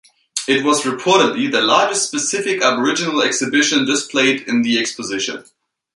It was, reportedly, the largest specific Aboriginal exhibition displayed in the exposition.